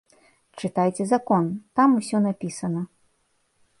Чытайце закон, там усё напісана.